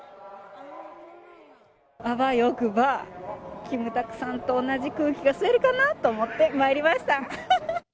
あわよくば、キムタクさんと同じ空気が吸えるかなと思ってまいりました。